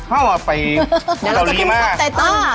เข้าหัวไปเกาหลีมาก